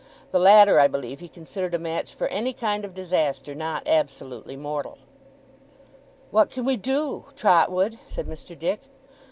The latter, I believe, he considered a match for any kind of disaster not absolutely mortal. 'What can we do, Trotwood?' said Mr. Dick.